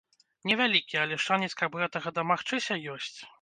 Невялікі, але шанец, каб гэтага дамагчыся, ёсць.